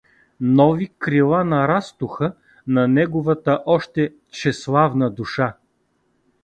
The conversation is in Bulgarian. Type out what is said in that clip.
Нови крила нарастоха на неговата още тщеславна душа.